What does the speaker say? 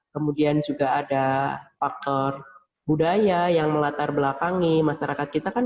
kemudian juga ada faktor budaya yang melatar belakangi masyarakat kita kan